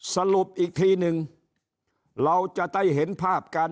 สรุปอีกทีนึงเราจะได้เห็นภาพการ